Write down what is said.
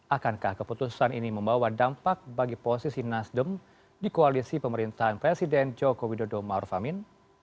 akankah keputusan ini membawa dampak bagi posisi nasdem di koalisi pemerintahan presiden joko widodo maruf amin